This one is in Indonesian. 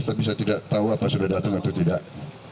tapi saya tidak tahu apa sudah datang atau tidak